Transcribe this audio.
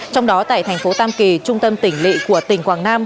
trong đó tại thành phố tam kỳ trung tâm tỉnh lị của tỉnh quảng nam